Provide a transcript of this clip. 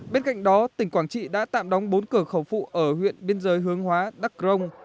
bên cạnh đó tỉnh quảng trị đã tạm đóng bốn cửa khẩu phụ ở huyện biên giới hướng hóa đắc rông